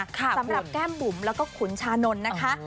สำหรับแก้มบุ๋มแล้วก็ขุนชานนท์นะคะ